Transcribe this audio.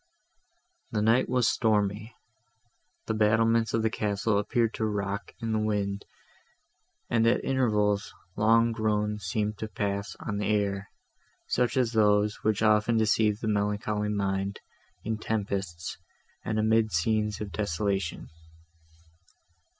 The night was stormy; the battlements of the castle appeared to rock in the wind, and, at intervals, long groans seemed to pass on the air, such as those, which often deceive the melancholy mind, in tempests, and amidst scenes of desolation.